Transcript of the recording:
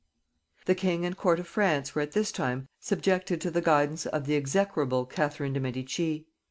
The king and court of France were at this time subjected to the guidance of the execrable Catherine dei Medici.